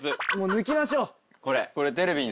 抜きましょう！